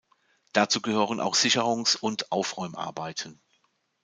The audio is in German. Dazu gehören auch Sicherungs- und Aufräumarbeiten.